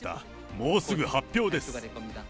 もうすぐ発表です。